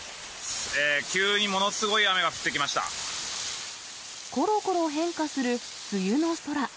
急にものすごい雨が降ってきころころ変化する梅雨の空。